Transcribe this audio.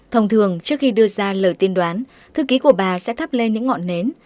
thông thường trước khi đưa ra lời tin đoán thư ký của bà sẽ thắp lên những ngọn nến